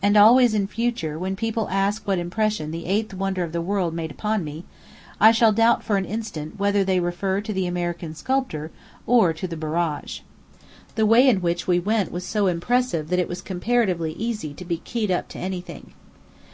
And always in future, when people ask what impression the eighth wonder of the world made upon me, I shall doubt for an instant whether they refer to the American sculptor, or to the Barrage. The way in which we went was so impressive that it was comparatively easy to be keyed up to anything.